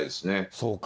そうか。